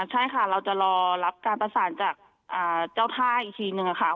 ใช่ค่ะเราจะรอรับการประสานจากเจ้าท่าอีกทีนึงค่ะ